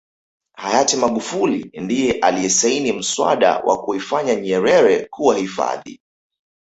hayati magufuli ndiye aliyesaini mswada wa kuifanya nyerere kuwa hifadhi